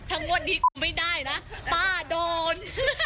ถ้างวดนี้ไม่ได้นะป้าโดน